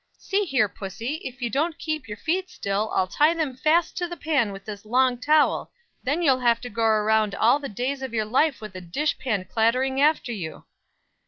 See here, pussy, if you don't keep your feet still, I'll tie them fast to the pan with this long towel, when you'll have to go around all the days of your life with a dish pan clattering after you."